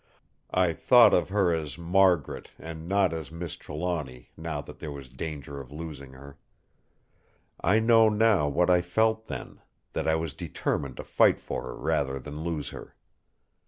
I thought of her as "Margaret" and not as "Miss Trelawny", now that there was danger of losing her. I know now what I felt then: that I was determined to fight for her rather than lose her.